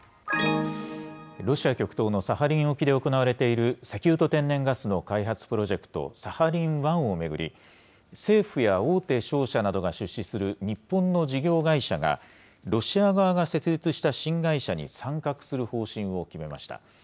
ロシア極東のサハリン沖で行われている石油と天然ガスの開発プロジェクト、サハリン１を巡り、政府や大手商社などが出資する日本の事業会社が、ロシア側が設立した新会社に参画する方針を決めました。